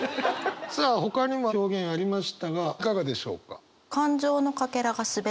さあほかにも表現ありましたがいかがでしょうか？